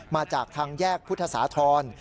มาจากทางแยกพุทธศาธร